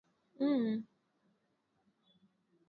juu ya mada kuanzia ndoa za watu wa jinsia moja